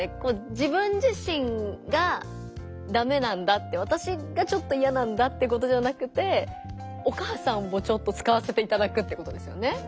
自分自身がダメなんだってわたしがちょっといやなんだってことじゃなくてお母さんもちょっと使わせていただくってことですよね。